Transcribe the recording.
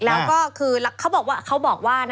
แล้วก็คือเขาบอกว่า